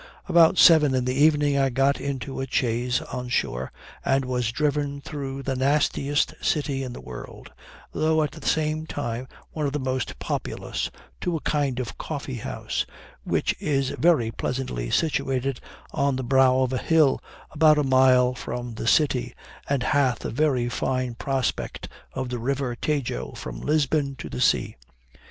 About seven in the evening I got into a chaise on shore, and was driven through the nastiest city in the world, though at the same time one of the most populous, to a kind of coffee house, which is very pleasantly situated on the brow of a hill, about a mile from the city, and hath a very fine prospect of the river Tajo from Lisbon to the sea.